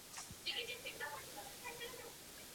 The abbreviation Sp.